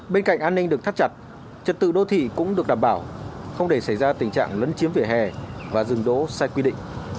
bên cạnh an ninh được thắt chặt trật tự đô thị cũng được đảm bảo không để xảy ra tình trạng lấn chiếm vỉa hè và dừng đỗ sai quy định